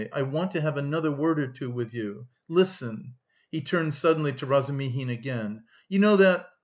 I want to have another word or two with you. Listen!" he turned suddenly to Razumihin again. "You know that...